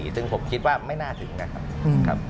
ซึ่งผมคิดว่าไม่น่าถึงนะครับ